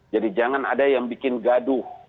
jadi jangan ada yang bikin gaduh